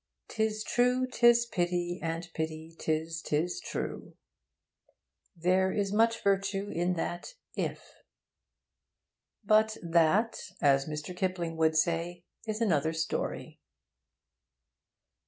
'Tis true 'tis pity, and pity 'tis 'tis true. There is much virtue in that 'if.' But that, as Mr. Kipling would say, is another story.